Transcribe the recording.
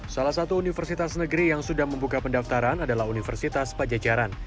salah satu universitas negeri yang sudah membuka pendaftaran adalah universitas pajajaran